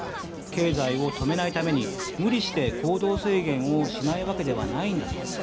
経済を止めないために無理して行動制限をしないわけではないんだと。